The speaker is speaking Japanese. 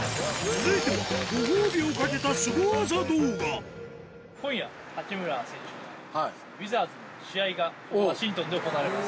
続いては、今夜、八村選手のウィザーズの試合がワシントンで行われます。